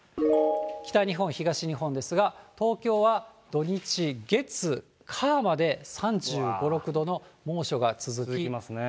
北日本、東日本ですが、東京は土、日、月、火まで３５、６度の猛暑が続きますね。